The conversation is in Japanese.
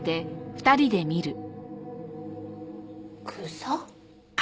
草？